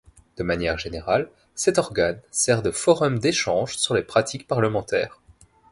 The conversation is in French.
De manière générale, cet organe sert de forum d'échange sur les pratiques parlementaires.